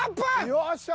よっしゃ。